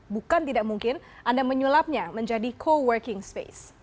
bukan tidak mungkin anda menyulapnya menjadi co working space